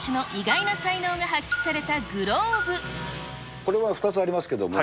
これは２つありますけども。